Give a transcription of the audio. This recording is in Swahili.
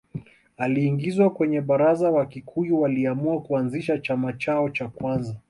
Aliingizwa kwenye Baraza Wakikuyu waliamua kuanzisha chama chao cha kwanza